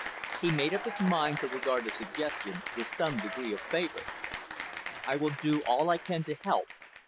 He made up his mind to regard the suggestion with some degree of favour. "I will do all I can to help.